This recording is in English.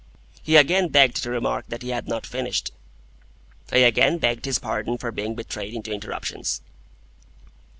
He again begged to remark that he had not finished. I again begged his pardon for being betrayed into interruptions.